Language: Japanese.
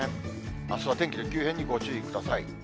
あすは天気の急変にご注意ください。